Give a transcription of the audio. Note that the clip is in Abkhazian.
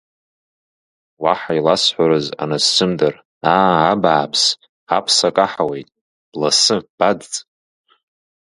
Уаҳа иласҳәарыз анысзымдыр аа, абааԥс аԥса каҳауеит, бласы, бадҵ!